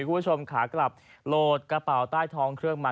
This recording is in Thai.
คุณผู้ชมขากลับโหลดกระเป๋าใต้ท้องเครื่องมา